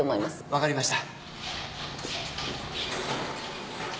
分かりました。